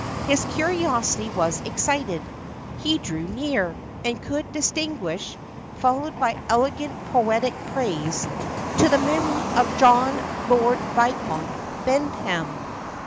His curiosity was excited he drew near, and he could distinguish (followed by elegant poetic praise) "To the memory of John Lord Viscount Bendham."